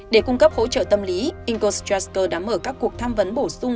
để cung cấp hỗ trợ tâm lý igor shcharsko đã mở các cuộc tham vấn bổ sung